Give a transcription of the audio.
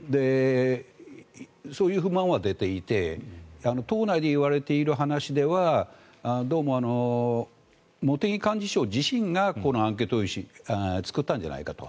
そういう不満は出ていて党内で言われている話ではどうも茂木幹事長自身がこのアンケート用紙を作ったんじゃないかと。